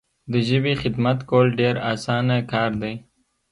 د ژبي خدمت کول ډیر اسانه کار دی.